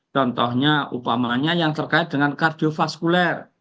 contohnya upamanya yang terkait dengan kardiofaskuler